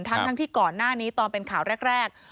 ทั้งที่ก่อนหน้านี้ตอนเป็นข่าวแรก